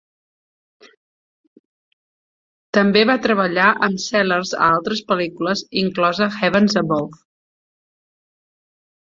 També va treballar amb Sellers a altres pel·lícules, inclosa Heavens Above!